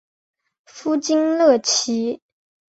夫金乐琦。